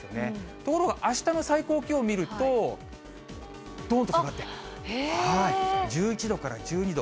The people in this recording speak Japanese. ところがあしたの最高気温を見ると、どんと下がって、１１度から１２度。